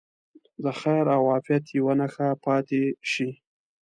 د خیر او عافیت یوه نښه پاتې شي.